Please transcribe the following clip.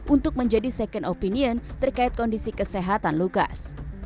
untuk menjadi second opinion terkait kondisi kesehatan lukas